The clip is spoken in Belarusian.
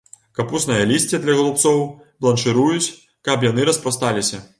Капуснае лісце для галубцоў бланшыруюць, каб яны распрасталіся.